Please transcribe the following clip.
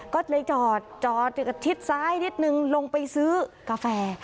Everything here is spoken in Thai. ก็เลยจอดจอดชิดซ้ายนิดนึงลงไปซื้อกาแฟ